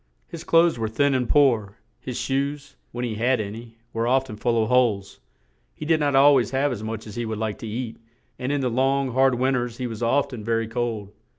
His clothes were thin and poor, his shoes, when he had an y, were oft en full of holes; he did not al ways have as much as he would like to eat, and in the long, hard win ters he was oft en ver y cold.